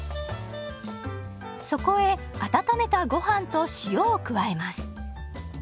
そこへ温めたごはんと塩を加えます。